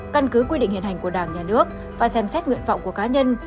căn cứ quy định hiện hành của đảng nhà nước và xem xét nguyện vọng của cá nhân